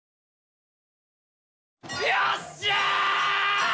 よっしゃ！